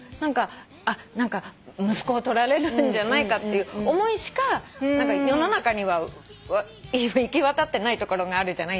何か息子を取られるんじゃないかっていう思いしか世の中には行き渡ってないところがあるじゃない？